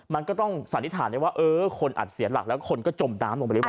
มันก็ต้องสันนิษฐานได้ว่าเออคนอัดเสียหลักแล้วคนก็จมน้ำลงไปหรือเปล่า